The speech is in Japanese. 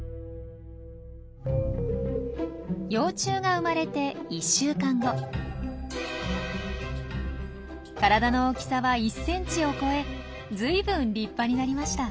幼虫が生まれて体の大きさは１ｃｍを超えずいぶん立派になりました。